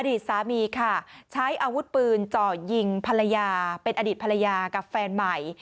อดีตสามีค่ะใช้อาวุธปืนเจาะยิงภรรยาเป็นอดีตภรรยากับแฟนใหม่